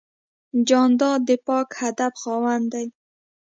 جانداد د پاک هدف خاوند دی.